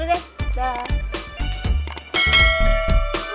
yaudah kak raya jalan dulu deh